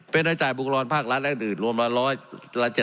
เป็นอาจารย์บุคลอนภาครัฐและอื่นรวมมา๑๗๐